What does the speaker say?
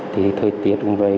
thì thời tiết cũng vậy